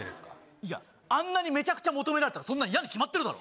いや、あんなにめちゃくちゃ求められたらそんな嫌に決まってるだろ。